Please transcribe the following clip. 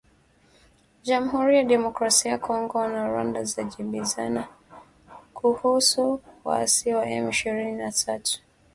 Jamuhuri ya Demokrasia ya Kongo na Rwanda zajibizana kuhusu waasi wa M ishirini na tatu